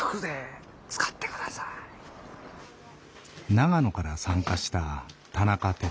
長野から参加した田中哲。